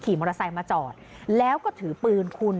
มอเตอร์ไซค์มาจอดแล้วก็ถือปืนคุณ